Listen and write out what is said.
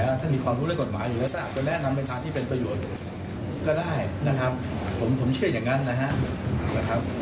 เอ่อท่านอายุมากแล้วอะไรอย่างเงี้ยนะครับ